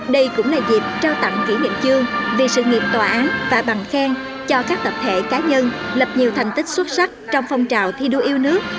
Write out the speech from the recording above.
đây cũng là dịp trao tặng kỷ niệm trương về sự nghiệp tòa án và bằng khen cho các tập thể cá nhân lập nhiều thành tích xuất sắc trong phong trào thi đua yêu nước